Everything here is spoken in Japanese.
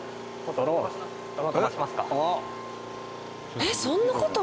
えっそんな事も！？